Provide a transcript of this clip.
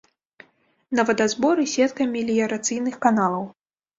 На вадазборы сетка меліярацыйных каналаў.